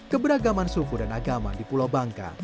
keberagaman suku dan agama di pulau bangka